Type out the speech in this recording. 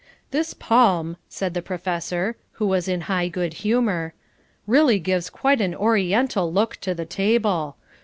"This palm," said the Professor, who was in high good humour, "really gives quite an Oriental look to the table.